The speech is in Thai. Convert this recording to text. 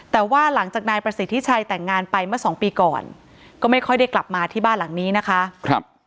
แต่ว่าหลังจากนายประสิทธิชัยแต่งงานไปเมื่อสองปีก่อนก็ไม่ค่อยได้กลับมาที่บ้านหลังนี้นะคะ